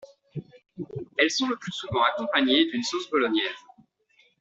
Elles sont le plus souvent accompagnées d'une sauce bolognaise.